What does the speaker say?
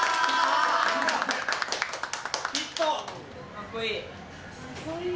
かっこいい。